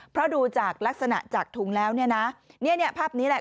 เพราะดูลักษณะจากถุงแล้วนี่ภาพนี้แหละ